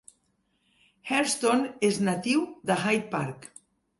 Hairston és natiu de Hyde Park.